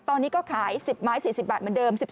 ตอนนี้ก็ขาย๑๐ไม้๔๐บาทเหมือนเดิม